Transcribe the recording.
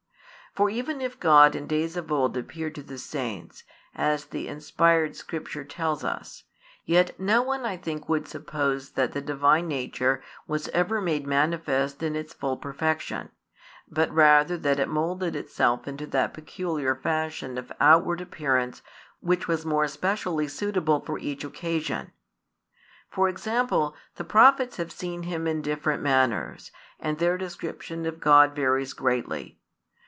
For even if God in days of old appeared to the saints, as the inspired Scripture tells us, |251 yet no one I think would suppose that the Divine nature was ever made manifest in its full perfection, but rather that it moulded itself into that peculiar fashion of outward appearance which was more specially suitable for each occasion. For example, the Prophets have seen Him in different manners, and their description of God varies greatly.